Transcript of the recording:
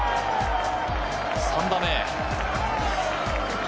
３打目。